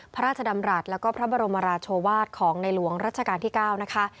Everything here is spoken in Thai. พระราชดำรัฐแล้วก็พระบรมราชวาสของในหลวงรัชกาลที่๙นะคะ